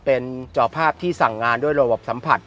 เป็นจอภาพที่สั่งงานด้วยระบบสัมผัส